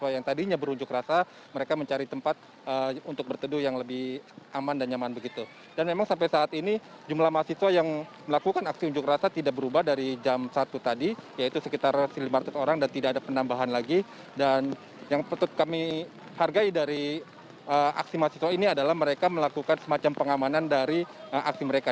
yang kami hargai dari aksi mahasiswa ini adalah mereka melakukan semacam pengamanan dari aksi mereka